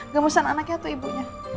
gemasan anaknya atau ibunya